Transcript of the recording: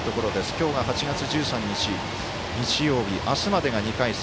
今日が８月１３日、日曜日あすまでが２回戦。